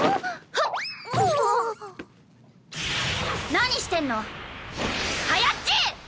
何してんのはやっち！